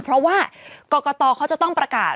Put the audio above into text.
เพราะว่ากรกตเขาจะต้องประกาศ